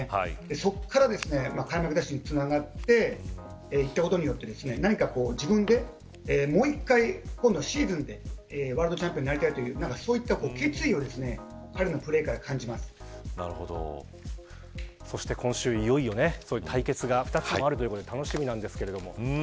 そこから開幕ダッシュにつながっていったことによって自分で、もう１回今度はシーズンでワールドチャンピオンになりたいというそういった決意をそして今週いよいよ対決が２つあるということで楽しみなんですけれども。